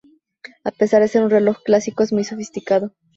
A pesar de ser un reloj clásico es muy sofisticado.